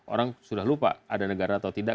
orang sudah lupa ada negara atau tidak